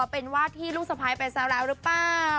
เป็นวาดที่ลูกสะพ้ายไปซะแล้วหรือเปล่า